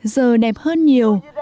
giờ đẹp hơn nhiều